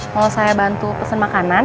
kalau saya bantu pesen makanan